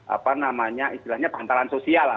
apa namanya istilahnya bantalan sosial lah